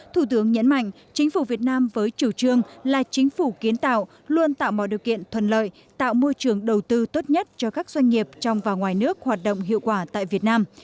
thủ tướng nhấn mạnh chính phủ việt nam với chủ trương là chính phủ kiến tạo luôn tạo mọi điều kiện thuận lợi tạo môi trường đầu tư tốt nhất cho các doanh nghiệp trong và ngoài nước hoạt động hiệu quả tại việt nam